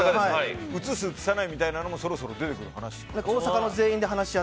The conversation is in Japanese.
移す、移さないみたいなのもそろそろ出てくる話じゃない？